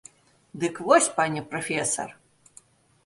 Дык вось, пане прафесар!